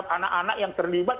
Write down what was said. anak anak yang terlibat